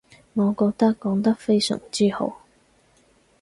我覺得講得非常之好